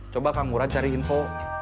coba kang murad cari info